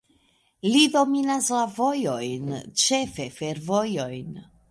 Li dominas la vojojn, ĉefe fervojojn.